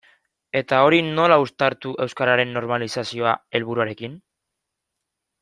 Eta hori nola uztartu euskararen normalizazio helburuarekin?